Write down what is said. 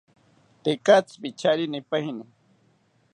Tekatzi picharinipaeni